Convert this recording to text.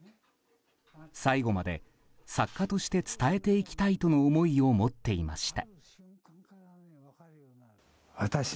最後まで作家として伝えていきたいとの思いを持っていました。